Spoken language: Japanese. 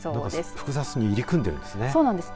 複雑に入り組んでいるんですね。